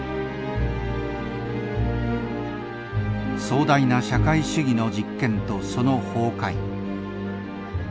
壮大な社会主義の実験とその崩壊。